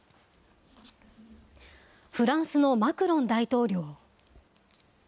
フランスのマクロン大統領。